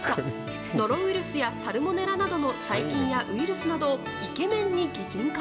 ノロウイルスやサルモネラなどの細菌やウイルスなどをイケメンに擬人化。